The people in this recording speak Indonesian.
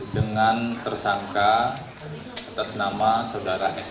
dengan tersangka atas nama saudara s